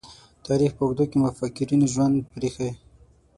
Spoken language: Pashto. تاریخ په اوږدو کې مُفکرینو ژوند پريښی.